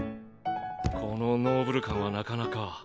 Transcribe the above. このノーブル感はなかなか。